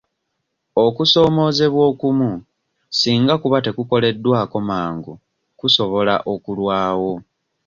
Okusoomoozebwa okumu singa kuba tekukoleddwako mangu kusobola okulwawo.